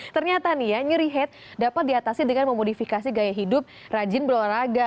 ternyata nih ya nyeri head dapat diatasi dengan memodifikasi gaya hidup rajin berolahraga